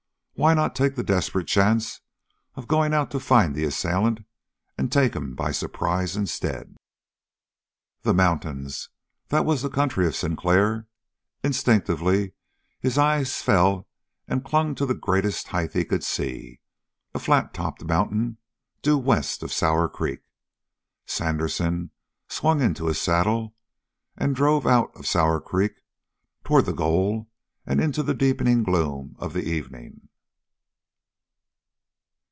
Why not take the desperate chance of going out to find the assailant and take him by surprise instead? The mountains that was the country of Sinclair. Instinctively his eye fell and clung on the greatest height he could see, a flat topped mountain due west of Sour Creek. Sandersen swung into his saddle and drove out of Sour Creek toward the goal and into the deepening gloom of the evening.